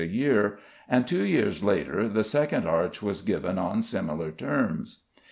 a year, and two years later the second arch was given on similar terms.